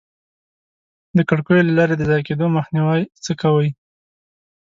د کړکیو له لارې د ضایع کېدو مخنیوی څه کوئ؟